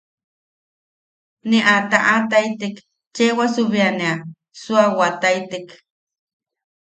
Ne a tataʼataitek cheewasu bea ne a suawaʼataitek.